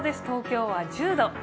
東京は１０度。